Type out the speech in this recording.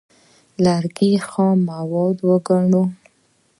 لرګي خام مواد وګڼو.